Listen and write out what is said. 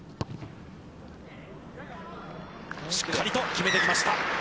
しっかりと決めてきました。